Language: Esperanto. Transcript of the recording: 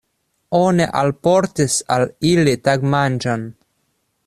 Oni alportis al ili tagmanĝon.